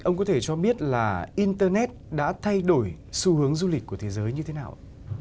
ông có thể cho biết là internet đã thay đổi xu hướng du lịch của thế giới như thế nào ạ